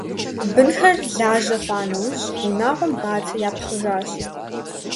Бынхэр лажьэ хъуа нэужь, унагъуэм бацэ япхъыжащ.